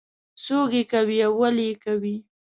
څوک یې کوي او ولې یې کوي.